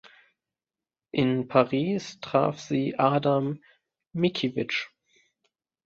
In Paris traf sie Adam Mickiewicz.